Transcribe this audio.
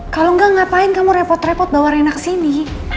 kalau enggak ngapain kamu repot repot bawa rena kesini